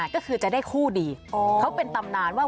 ก็คือจะได้คู่ดีเขาเป็นตำนานว่า